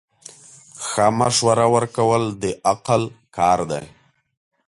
ښه مشوره ورکول د عقل کار دی.